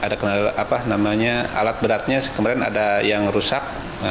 ada alat beratnya kemarin ada yang rusak